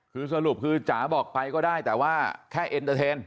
คือสรุปคือจ๋าบอกไปก็ได้แต่ว่าแค่เอ็นเตอร์เทน